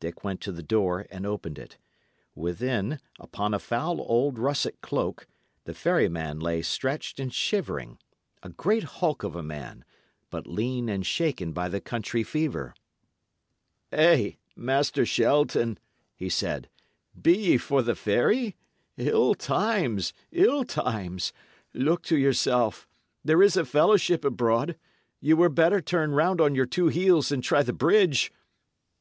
Dick went to the door and opened it. Within, upon a foul old russet cloak, the ferryman lay stretched and shivering; a great hulk of a man, but lean and shaken by the country fever. "Hey, Master Shelton," he said, "be ye for the ferry? Ill times, ill times! Look to yourself. There is a fellowship abroad. Ye were better turn round on your two heels and try the bridge."